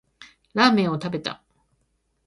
ラーメンを食べた